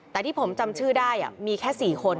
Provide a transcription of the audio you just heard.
แต่ที่ผมจำชื่อได้มีแค่๔คน